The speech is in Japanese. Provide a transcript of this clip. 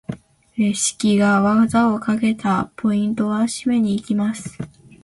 レシキが技をかけた！ポイントは？締めに行きます！